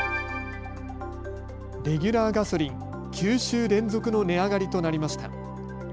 レギュラーガソリン、９週連続の値上がりとなりました。